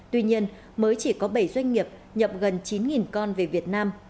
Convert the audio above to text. tuy nhiên mới chỉ có bảy doanh nghiệp nhập gần chín con về việt nam